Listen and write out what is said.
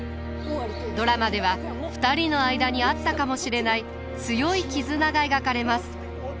ドラマでは２人の間にあったかもしれない強い絆が描かれます。